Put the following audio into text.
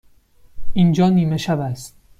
اینجا نیمه شب است.